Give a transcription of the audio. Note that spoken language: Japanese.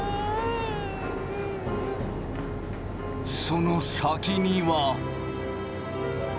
その先には。